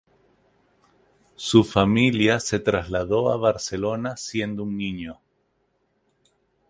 Su familia se trasladó a Barcelona siendo un niño.